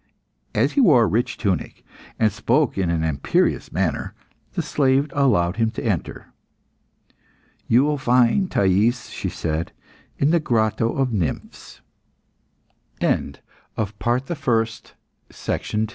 As he wore a rich tunic, and spoke in an imperious manner, the slave allowed him to enter. "You will find Thais," she said, "in the Grotto of Nymphs." PART THE SECOND THE PAPYRUS Thai